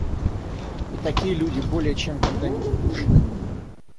И такие люди более чем когда-нибудь, нужны.